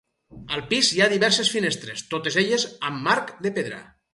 Al pis hi ha diverses finestres, totes elles amb marc de pedra.